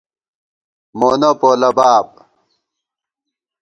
مونہ پولہ باب